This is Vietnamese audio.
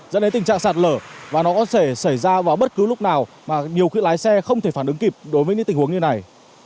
dẫn đến tình trạng sạt lở và nó có thể xảy ra vào bất cứ lúc nào mà nhiều khi lái xe không thể phản ứng kịp đối với những tình huống như này